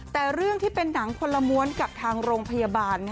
แต่เรื่องที่เป็นหนังคนละม้วนกับทางโรงพยาบาล